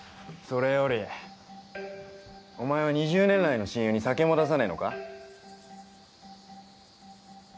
それよりお前は２０年来の親友に酒も出さねえのか？